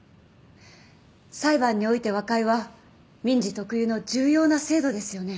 裁判において和解は民事特有の重要な制度ですよね？